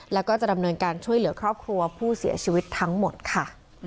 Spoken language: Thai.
แล้วก็จะดำเนินการช่วยเหลือครอบครัวผู้เสียชีวิตทั้งหมดค่ะ